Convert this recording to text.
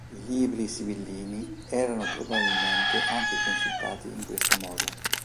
I libri sibillini erano probabilmente anche consultati in questo modo.